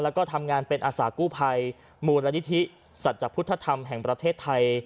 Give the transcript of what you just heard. แล้วก็ทำงานเป็นอาสากู้ภัยมูลนิธิสัจพุทธธรรมแห่งประเทศไทย